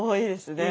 ねえ。